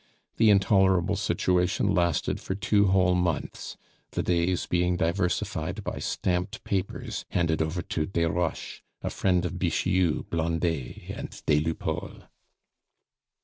The intolerable situation lasted for two whole months; the days being diversified by stamped papers handed over to Desroches, a friend of Bixiou, Blondet, and des Lupeaulx.